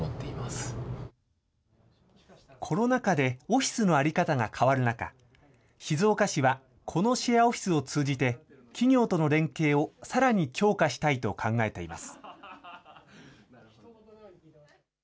コロナ禍でオフィスの在り方が変わる中、静岡市はこのシェアオフィスを通じて企業との連携をさらに強化したいと考えています。